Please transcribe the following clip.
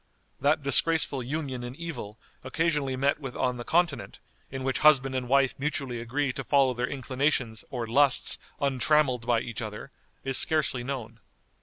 That disgraceful union in evil occasionally met with on the Continent, in which husband and wife mutually agree to follow their inclinations or lusts untrammeled by each other, is scarcely known.